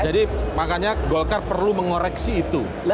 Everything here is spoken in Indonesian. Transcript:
jadi makanya golkar perlu mengoreksi itu